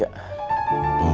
sampai jumpa lagi